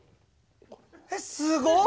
えっすごっ！